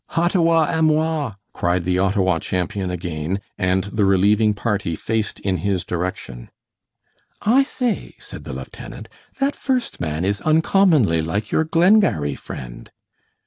"Hottawa a moi!" cried the Ottawa champion again, and the relieving party faced in his direction. "I say," said the lieutenant, "that first man is uncommonly like your Glengarry friend."